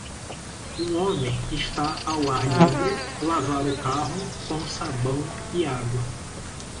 Um homem está ao ar livre, lavar o carro com sabão e água.